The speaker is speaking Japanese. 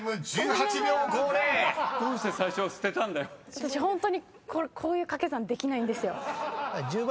私ホントにこういう掛け算できないんですよ。